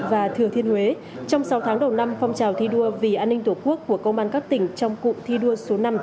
và thừa thiên huế trong sáu tháng đầu năm phong trào thi đua vì an ninh tổ quốc của công an các tỉnh trong cụm thi đua số năm